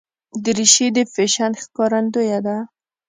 دریشي د فیشن ښکارندویه ده.